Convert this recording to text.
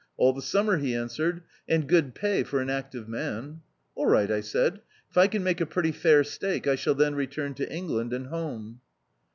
"All the summer," he an swered, "and good pay for an active man." "All right," I said, "if I can make a pretty fair stake, I shall then return to England and home."